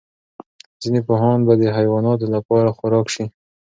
ځینې پاڼې به د حیواناتو لپاره خوراک شي.